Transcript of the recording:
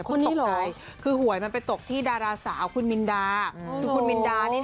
คุณผู้ชมอย่าพูดไงคือหวยมันไปตกที่ดาราสาวคือคุณมิลดา